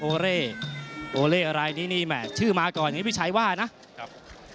เล่โอเล่อะไรนี่นี่แหม่ชื่อมาก่อนอย่างนี้พี่ชัยว่านะครับ